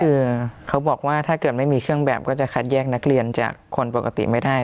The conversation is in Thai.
คือเขาบอกว่าถ้าเกิดไม่มีเครื่องแบบก็จะคัดแยกนักเรียนจากคนปกติไม่ได้